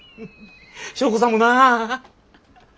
祥子さんもなぁ！